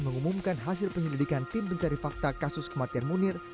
mengumumkan hasil penyelidikan tim pencari fakta kasus kematian munir